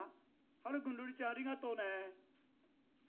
はるくん、るりちゃん、ありがとうね。